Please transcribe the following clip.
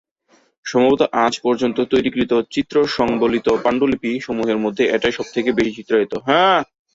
সম্ভবত আজ পর্যন্ত তৈরিকৃত চিত্র সংবলিত পান্ডুলিপি সমূহের মধ্যে এটাই সব থেকে বেশি চিত্রায়িত।